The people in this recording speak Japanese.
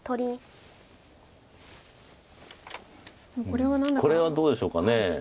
これはどうでしょうか。